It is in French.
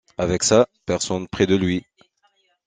Avec ça, personne près de lui.